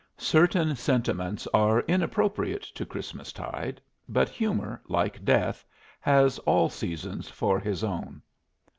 Certain sentiments are inappropriate to Christmastide, but Humor, like Death, has all seasons for his own.